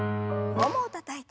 ももをたたいて。